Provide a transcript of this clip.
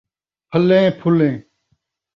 پھَلیں پھُلیں